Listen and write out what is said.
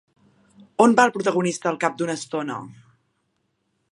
On va el protagonista al cap d'una estona?